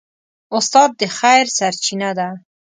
استاد د خیر سرچینه ده.